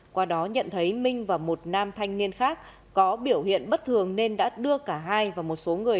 qua đó nhận thấy minh và một nam thanh niên khác có biểu hiện bất thường nên đã đưa cả hai và một số người